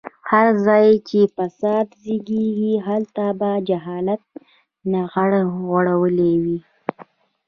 هر ځای چې فساد زيږي هلته به جهالت ټغر غوړولی وي.